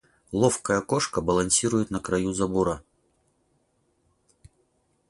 Ловкая кошка балансирует на краю забора.